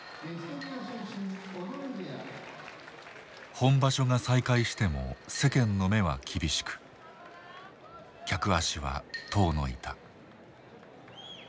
本場所が再開しても世間の目は厳しく客足は遠のいた。